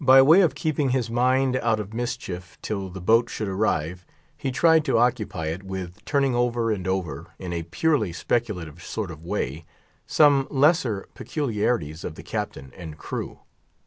By way of keeping his mind out of mischief till the boat should arrive, he tried to occupy it with turning over and over, in a purely speculative sort of way, some lesser peculiarities of the captain and crew.